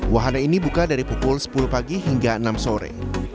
wahana ini buka dari pukul sepuluh pagi hingga enam sore